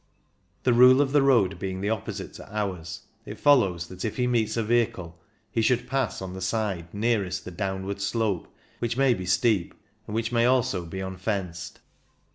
The rule of the road being the opposite to ours, it follows that if he meets a vehicle he should pass on the side nearest the downward slope, which may be steep, and which may also be unfenced.